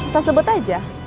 saya sebut aja